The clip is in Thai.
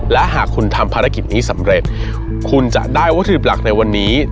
และหากคุณทำภารกิจนี้สำเร็จคุณจะได้วัตถุดิบหลักในวันนี้